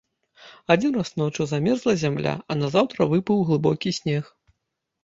Адзін раз ноччу замерзла зямля, а назаўтра выпаў глыбокі снег.